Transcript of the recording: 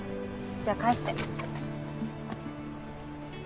じゃあ返して。